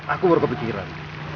aku merugak pikiran